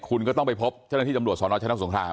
คุณก็ต้องไปพบเจ้าหน้าที่ตำรวจสนชนะสงคราม